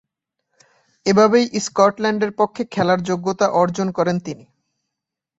এভাবেই স্কটল্যান্ডের পক্ষে খেলার যোগ্যতা অর্জন করেন তিনি।